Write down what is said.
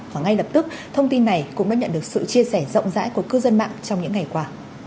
và ngay lập tức thông tin này cũng đã nhận được sự chia sẻ rộng rãi của cư dân mạng trong những ngày qua